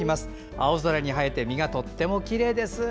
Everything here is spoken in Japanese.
青空に映えて実がとてもきれいです。